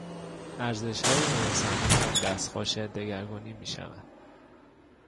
ارزشهای انسانی هم دستخوش دگرگونی میشود.